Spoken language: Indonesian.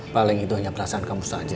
paling itu hanya perasaan kamu saja